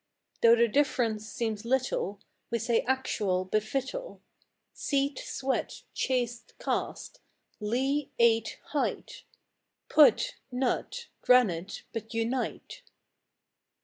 Though the difference seems little, We say actual, but victual, Seat, sweat, chaste, caste; Leigh, eight, height; Put, nut; granite, but unite.